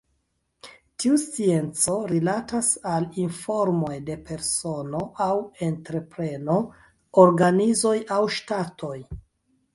Tiu scienco rilatas al informoj de persono aŭ entrepreno, organizoj aŭ ŝtatoj.